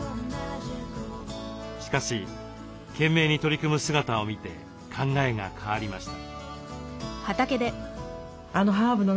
しかし懸命に取り組む姿を見て考えが変わりました。